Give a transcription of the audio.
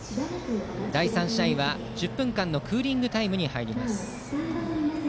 第３試合は１０分間のクーリングタイムです。